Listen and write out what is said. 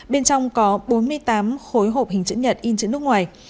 bên trong có bốn mươi tám khối hộp hình chữ nhật in chữ nước ngoài